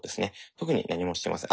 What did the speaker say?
特に何もしてません。